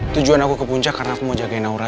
tujuan aku ke puncak karena aku mau jagain naura